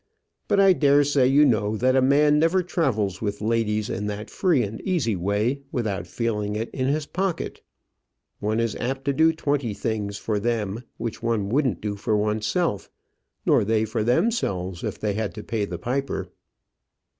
But I dare say you know that a man never travels with ladies in that free and easy way without feeling it in his pocket. One is apt to do twenty things for them which one wouldn't do for oneself; nor they for themselves if they had to pay the piper."